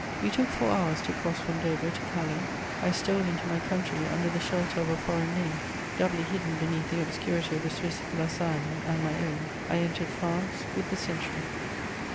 We took four hours to cross from Dover to Calais. I stole into my country under the shelter of a foreign name: doubly hidden beneath the obscurity of the Swiss La Sagne and my own, I entered France with the century.